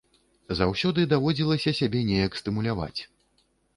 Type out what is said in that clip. Заўсёды даводзілася сябе неяк стымуляваць.